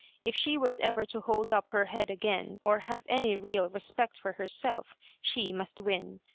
If she was ever to hold up her head again, or have any real respect for herself, she must win.